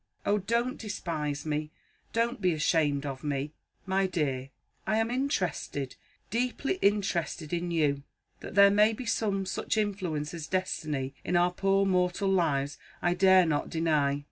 Oh, don't despise me! Don't be ashamed of me!" "My dear, I am interested deeply interested in you. That there may be some such influence as Destiny in our poor mortal lives, I dare not deny.